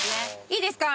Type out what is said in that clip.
いいですか？